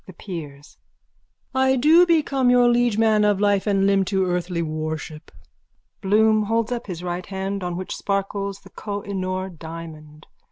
_ THE PEERS: I do become your liege man of life and limb to earthly worship. _(Bloom holds up his right hand on which sparkles the Koh i Noor diamond.